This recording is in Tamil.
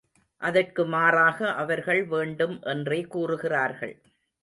அதற்கு மாறாக அவர்கள் வேண்டும் என்றே கூறுகிறார்கள்.